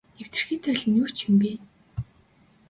Нэвтэрхий толь нь ч юу юм бэ.